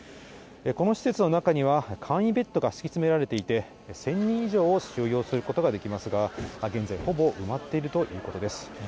この施設の中には、簡易ベッドが敷き詰められていて、１０００人以上を収容することができますが、現在、ほぼ埋まっているということです。